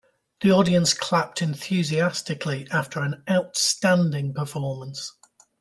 The audience clapped enthusiastically after an outstanding performance.